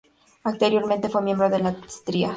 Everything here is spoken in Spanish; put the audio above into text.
Anteriormente fue miembro de la Trias.